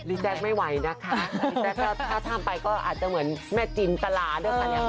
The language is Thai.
แจ๊คไม่ไหวนะคะถ้าทำไปก็อาจจะเหมือนแม่จินตลาด้วยค่ะเนี่ย